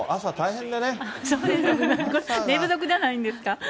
寝不足じゃないですか？